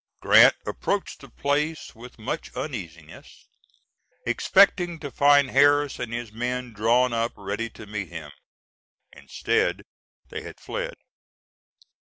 Grant approached the place with much uneasiness, expecting to find Harris and his men drawn up ready to meet him. Instead, they had fled.